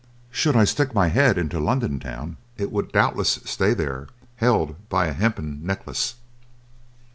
Should I stick my head into London town, it would doubtless stay there, held by a hempen necklace.